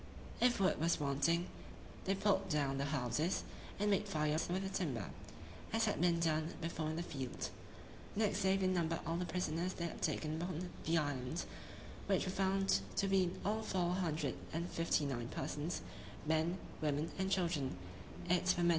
If wood was wanting, they pulled down the houses, and made fires with the timber, as had been done before in the field. Next day they numbered all the prisoners they had taken upon the island, which were found to be in all four hundred and fifty nine persons, men, women, and children; viz.